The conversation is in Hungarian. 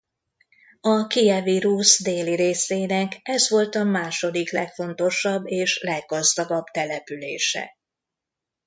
A Kijevi Rusz déli részének ez volt a második legfontosabb és leggazdagabb települése.